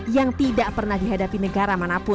yang tidak pernah dihadapi negara manapun